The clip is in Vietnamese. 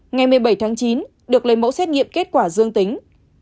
ngày một mươi bảy tháng chín được lấy mẫu xét nghiệm kết quả dương tính